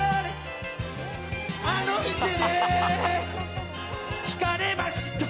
「あの店で聞かれました」